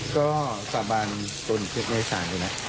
ก็สาบานตนในสารอยู่นะ